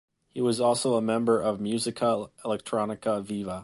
He was also a member of Musica Elettronica Viva.